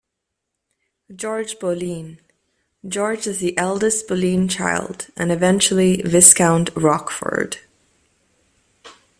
George Boleyn: George is the eldest Boleyn child, and eventually Viscount Rochford.